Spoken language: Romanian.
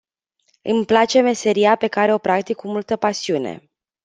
Îmi place meseria pe care o practic cu multă pasiune.